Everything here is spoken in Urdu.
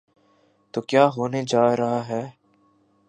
تو کیا ہونے جا رہا ہے؟